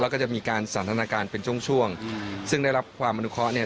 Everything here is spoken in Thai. แล้วก็จะมีการสันทนาการเป็นช่วงช่วงซึ่งได้รับความอนุเคราะห์เนี่ย